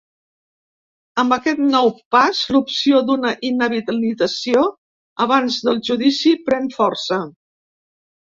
Amb aquest nou pas, l’opció d’una inhabilitació abans del judici pren força.